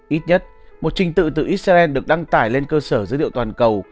ít nhất một trình tự từ israel được đăng tải lên cơ sở dữ liệu toàn cầu